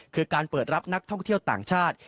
คือการเปิดรับนักท่องเที่ยวต่างชาติ